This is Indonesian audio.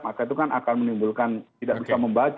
maka itu kan akan menimbulkan tidak bisa membaca